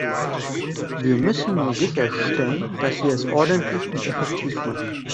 Wir müssen nur sicherstellen, dass wir es ordentlich und effektiv machen.